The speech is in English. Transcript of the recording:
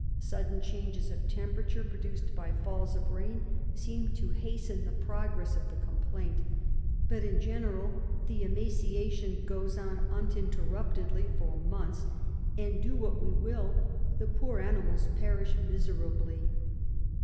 Sudden changes of temperature produced by falls of rain seem to hasten the progress of the complaint ; but in general the emaciation goes on uninterruptedly for months, and, do what we will, the poor animals perish miserably.